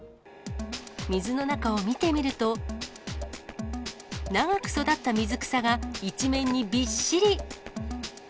水の中を見てみると、長く育った水草が、一面にびっしり。